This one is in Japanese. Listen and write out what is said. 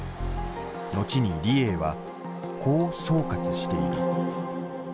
後に李鋭はこう総括している。